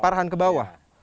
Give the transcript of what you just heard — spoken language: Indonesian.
parahan ke bawah